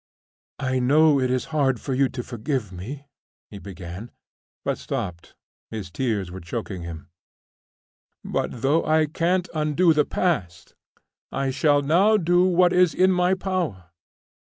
"I know it is hard for you to forgive me," he began, but stopped. His tears were choking him. "But though I can't undo the past, I shall now do what is in my power.